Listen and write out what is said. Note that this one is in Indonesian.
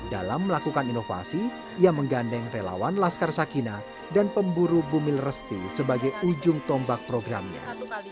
dalam melakukan inovasi ia menggandeng relawan laskar sakina dan pemburu bumil resti sebagai ujung tombak programnya